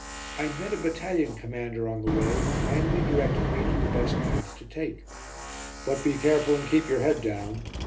I met a battalion commander on the way who kindly directed me to the best path to take. "But be careful and keep your head down.